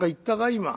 今」。